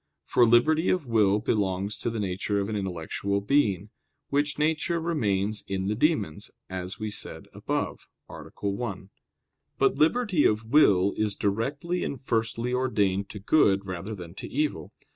For liberty of will belongs to the nature of an intellectual being, which nature remains in the demons, as we said above (A. 1). But liberty of will is directly and firstly ordained to good rather than to evil.